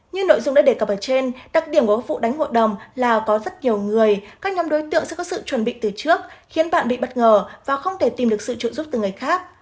như nội dung đã đề cập ở trên đặc điểm của vụ đánh hội đồng là có rất nhiều người các nhóm đối tượng sẽ có sự chuẩn bị từ trước khiến bạn bị bất ngờ và không thể tìm được sự trụ giúp từ người khác